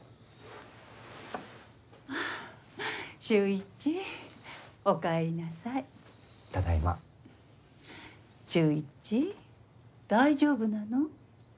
秀一大丈夫なの？